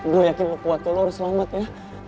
gue yakin lo kuat lo harus selamat ya